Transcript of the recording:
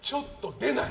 出ない？